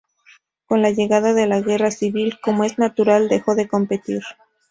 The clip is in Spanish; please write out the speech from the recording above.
Con la llegada de la Guerra Civil, como es natural, dejó de competir.